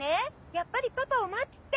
やっぱりパパを待つって！」